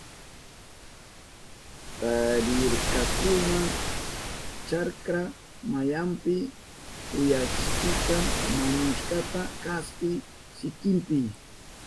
Tarirkakuna chakra mayanpi kuyapisika wañushkata kaspi sikinpi.